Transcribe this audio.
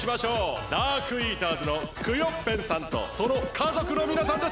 ダークイーターズのクヨッペンさんとその家族のみなさんです。